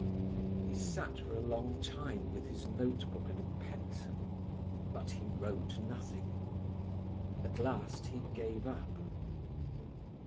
He sat for a long time with his notebook and a pencil, but he wrote nothing. At last he gave up.